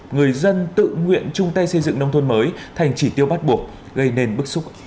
người dân tự nguyện chung tay xây dựng nông thôn mới thành chỉ tiêu bắt buộc gây nên bức xúc